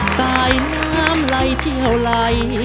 สายน้ำไหลเชี่ยวไหล